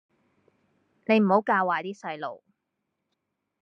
你唔好教壞啲細路